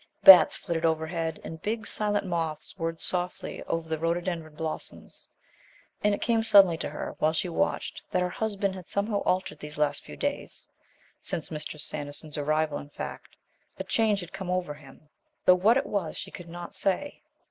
Bats flitted overhead, and big, silent moths whirred softly over the rhododendron blossoms. And it came suddenly to her, while she watched, that her husband had somehow altered these last few days since Mr. Sanderson's arrival in fact. A change had come over him, though what it was she could not say.